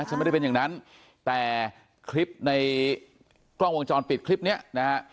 ฉันไม่ได้เป็นอย่างนั้นแต่คลิปในกล้องวงจรปิดคลิปเนี้ยนะฮะ